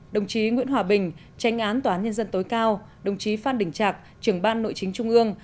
đồng chí nguyễn hòa bình tranh án tòa án nhân dân tối cao đồng chí phan đình trạc trưởng ban nội chính trung ương